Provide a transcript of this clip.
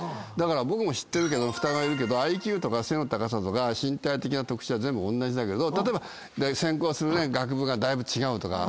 僕も知ってる双子がいるけどＩＱとか背の高さとか身体的な特徴は全部おんなじだけど専攻する学部がだいぶ違うとか。